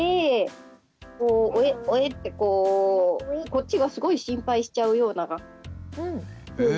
こっちがすごい心配しちゃうような。